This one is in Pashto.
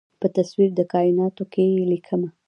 په تصویر د کائیناتو کې ليکمه